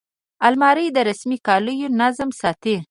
الماري د رسمي کالیو نظم ساتي